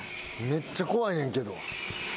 めっちゃ怖いねんけど。